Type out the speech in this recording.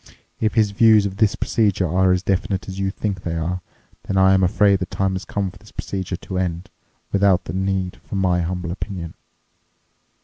If his views of this procedure are as definite as you think they are, then I'm afraid the time has come for this procedure to end, without any need for my humble opinion."